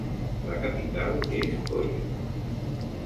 La capital és Coyah.